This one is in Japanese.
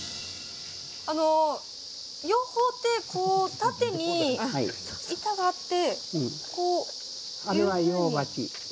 あの養蜂ってこう縦に板があって。